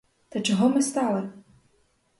Та чого ми стали?